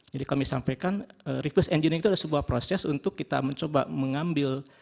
jadi kami sampaikan refresh engineering itu adalah sebuah proses untuk kita mencoba mengambil